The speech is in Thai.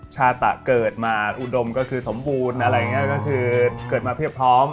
ชาตะเกิดมาอุดมก็คือสมบูรณ์อะไรอย่างนี้ก็คือเกิดมาเพียบพร้อม